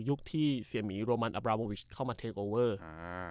ที่เสียหมีโรมันอับราโมวิชเข้ามาเทคโอเวอร์อ่า